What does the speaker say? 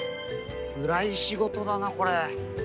つらい仕事だなこれ！